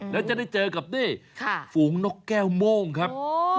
แล้วจะได้เจอกับนี่ฝูงนกแก้วโม่งครับ